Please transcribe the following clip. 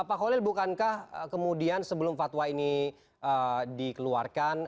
pak holil bukankah kemudian sebelum fatwa ini dikeluarkan